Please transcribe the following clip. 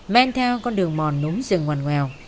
men theo con đường mòn núm rừng ngoằn ngoèo